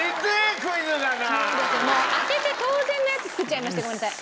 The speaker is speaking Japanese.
当てて当然のやつ作っちゃいましてごめんなさい。